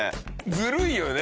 ずるいよね。